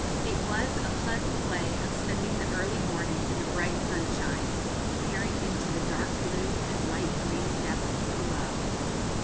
It was a pleasant way of spending the early morning in the bright sunshine, peering into the dark blue and light green depths below.